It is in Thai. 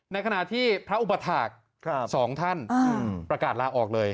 ในขณะที่พระอุปถาค๒ท่านประกาศลาออกเลย